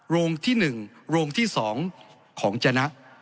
โรงที่๑โรงที่๒ของจนะ